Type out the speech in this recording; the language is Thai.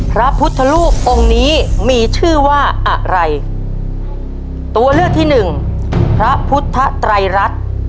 พระพุทธรูปองค์นี้มีชื่อว่าอะไรตัวเลือกที่หนึ่งพระพุทธไตรรัฐ